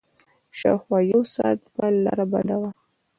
شاوخوا يو ساعت به لاره بنده وه.